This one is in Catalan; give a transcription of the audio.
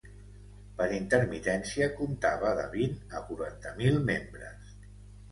Per intermitència comptava de vint a quaranta mil membres.